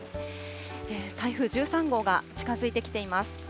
台風１３号が近づいてきています。